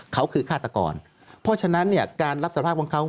เขาคือฆาตกรเพราะฉะนั้นเนี่ยการรับสารภาพของเขา